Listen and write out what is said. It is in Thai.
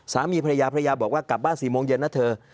สามีภรรยาภรรยาบอกว่ากลับบ้าน๔โมงเย็นนะเธอ